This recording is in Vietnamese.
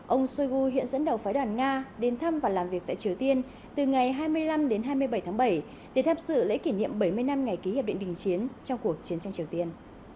ông shoigu hiện dẫn đầu phái đoàn nga đến thăm và làm việc tại triều tiên từ ngày hai mươi năm đến hai mươi bảy tháng bảy để tháp sự lễ kỷ niệm bảy mươi năm ngày ký hiệp định đình chiến trong cuộc chiến tranh triều tiên